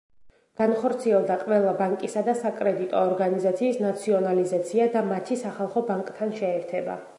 განხორციელდა ყველა ბანკისა და საკრედიტო ორგანიზაციის ნაციონალიზაცია და მათი სახალხო ბანკთან შეერთება.